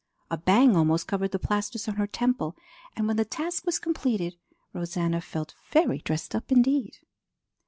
A bang almost covered the plasters on her temple and when the task was completed, Rosanna felt very dressed up indeed.